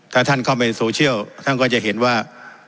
ถ้าท่านเข้าไปโซเชียลท่านก็จะเห็นว่า